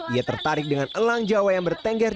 ia tertarik dengan elang jawa yang bertengger